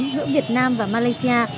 giữa việt nam và malaysia